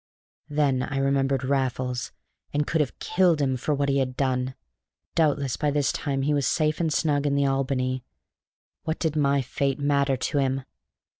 Then I remembered Raffles, and could have killed him for what he had done. Doubtless by this time he was safe and snug in the Albany: what did my fate matter to him?